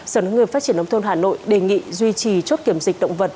sở nước người phát triển đông thôn hà nội đề nghị duy trì chốt kiểm dịch động vật